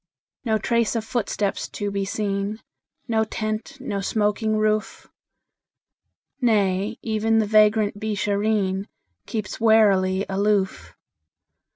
No trace of footsteps to be seen, No tent, no smoking roof; Nay, even the vagrant Beeshareen Keeps warily aloof.